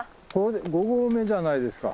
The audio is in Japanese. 五合目じゃないですか。